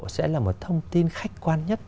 sẽ là một thông tin khách quan nhất